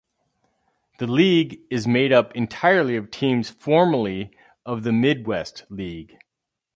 The league is made up entirely of teams formerly of the Midwest League.